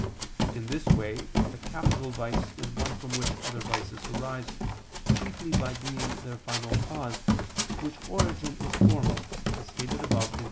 In this way a capital vice is one from which other vices arise, chiefly by being their final cause, which origin is formal, as stated above (Q.